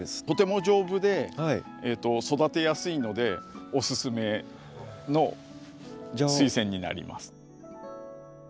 とても丈夫で育てやすいのでおすすめのスイセンになります。